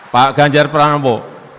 pak ganjar pranampo